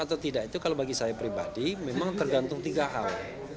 atau tidak itu kalau bagi saya pribadi memang tergantung tiga hal